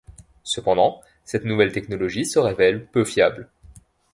Cependant, cette nouvelle technologie se révèle peu fiable.